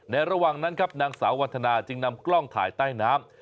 ระหว่างนั้นครับนางสาววันธนาจึงนำกล้องถ่ายใต้น้ำ